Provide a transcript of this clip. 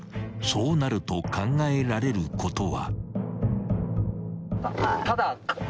［そうなると考えられることは］